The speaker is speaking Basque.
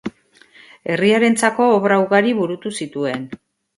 Herriarentzako obra ugari burutu zituen.